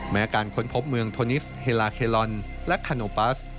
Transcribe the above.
แม้การค้นพบเมืองโทนิสเฮลาเคลอนและคาโนปัส